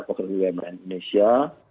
pekerja bumn indonesia